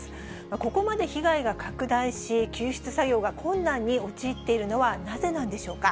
ここまで被害が拡大し、救出作業が困難に陥っているのはなぜなんでしょうか。